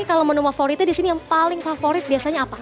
ini kalau menu favoritnya disini yang paling favorit biasanya apa